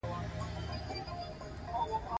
ځینې هیوادونه قیر او اسفالټ یو شی ګڼي